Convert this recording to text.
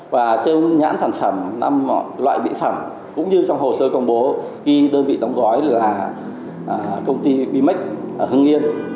và trong nhãn sản phẩm năm loại mỹ phẩm cũng như trong hồ sơ công bố ghi đơn vị đóng gói là công ty bimex ở hưng yên